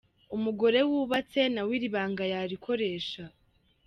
Umugore wubatse nawe iri banga yarikoresha.